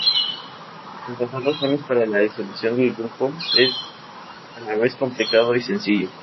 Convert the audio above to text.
Encontrar razones para la disolución del grupo es a la vez complicado y sencillo.